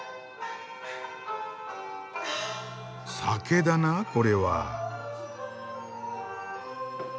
酒だなこれは。